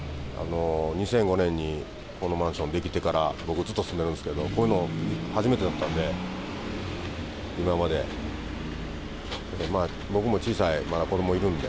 ２００５年にこのマンション出来てから、僕、ずっと住んでるんですけど、こういうの初めてだったんで、今まで。